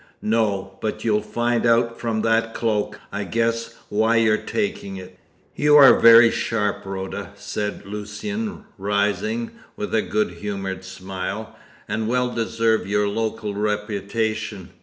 "No; but you'll find out from that cloak. I guess why you're taking it." "You are very sharp, Rhoda," said Lucian, rising, with a good humoured smile, "and well deserve your local reputation.